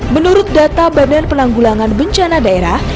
menurut data badan penanggulangan bencana daerah